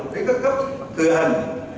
đến các cấp thừa hành